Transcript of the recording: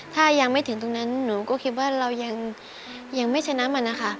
ถ้ายังไม่ถึงตรงนั้นหนูก็คิดว่าเรายังไม่ชนะมันนะคะ